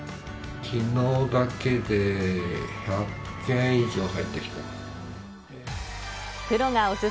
きのうだけで１００件以上入ってきてます。